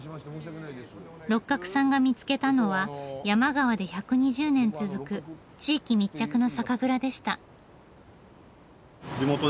六角さんが見つけたのは山川で１２０年続く地域密着の酒蔵でした。